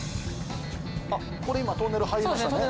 これ今トンネル入りましたね。